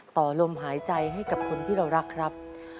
ต่อลมหายใจให้กับคนที่เรารักครับ